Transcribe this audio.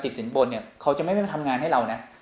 ติดสินบนเขาจะไม่มาทำงานให้เรานะ